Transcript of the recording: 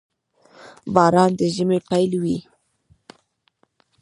• باران د ژمي پيل وي.